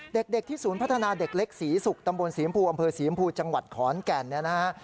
เด็กที่ศูนย์พัฒนาเด็กเล็กศรีศุกร์ตำบลศรีมภูอำเภอศรีชมพูจังหวัดขอนแก่นเนี่ยนะฮะ